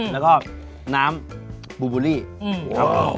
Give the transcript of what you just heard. แล้วก็น้ำบูบูลี่ครับผม